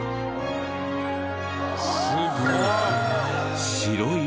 すごい！